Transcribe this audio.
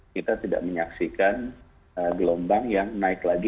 kita tidak menyaksikan gelombang yang naik lagi